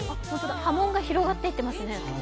波紋が広がっていってますね。